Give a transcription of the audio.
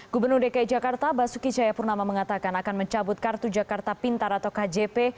gubernur dki jakarta basuki cayapurnama mengatakan akan mencabut kartu jakarta pintar atau kjp